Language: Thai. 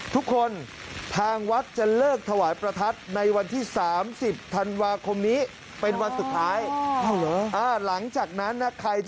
ทุกคนทางวัดจะเลิกถวายประทัดในวันที่๓๐ธันวาคมนี้เป็นวันสุดท้าย